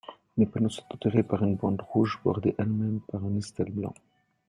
Les panneaux sont entourés par une bande rouge bordée elle-même par un listel blanc.